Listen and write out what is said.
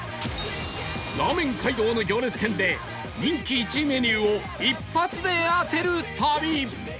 ラーメン街道の行列店で人気１位メニューを一発で当てる旅